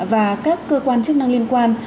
và các cơ quan chức năng liên quan